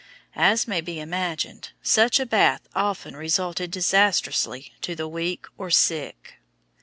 As may be imagined, such a bath often resulted disastrously to the weak or sick.